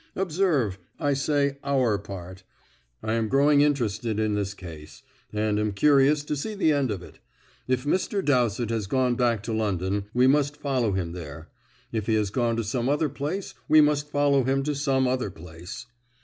Observe, I say our part. I am growing interested in this case, and am curious to see the end of it. If Mr. Dowsett has gone back to London, we must follow him there. If he has gone to some other place, we must follow him to some other place."